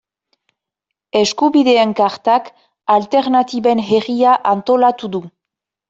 Eskubideen Kartak Alternatiben Herria antolatu du.